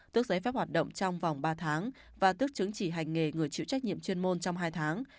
tước giấy phép hoạt động trong vòng ba tháng và tước chứng chỉ hành nghề người chịu trách nhiệm chuyên môn trong hai tháng